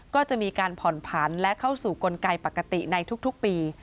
ก็จะมีการผ่อนผันและเข้าสู่กลไกปกติในทุกปี